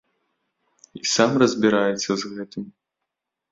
І сам разбіраецца з гэтым.